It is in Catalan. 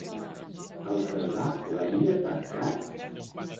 El Cerdà l'havia tancat?